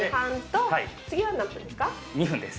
２分です。